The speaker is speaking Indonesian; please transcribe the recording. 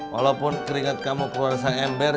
walaupun keringat kamu keluar sang ember